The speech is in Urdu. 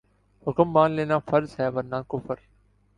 حکم مان لینا فرض ہے ورنہ کفر